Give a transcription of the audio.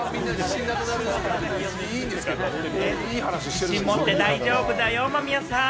自信もって大丈夫だよ、間宮さん。